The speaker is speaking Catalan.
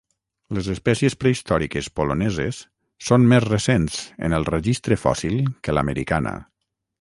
Les espècies prehistòriques poloneses són més recents en el registre fòssil que l'americana.